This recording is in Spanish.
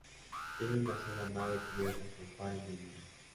Tiene una sola nave cubierta con par y nudillo.